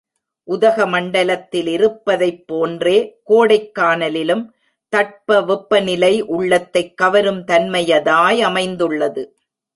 உதகமண்டலத்திலிருப்பதைப் போன்றே கோடைக் கானலிலும் தட்ப வெப்ப நிலை உள்ளத்தைக் கவரும் தன்மையதாய் அமைந்துள்ளது.